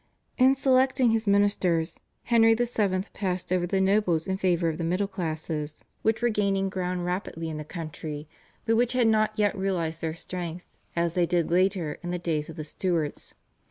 In selecting his ministers Henry VII. passed over the nobles in favour of the middle classes, which were gaining ground rapidly in the country, but which had not yet realised their strength as they did later in the days of the Stuarts.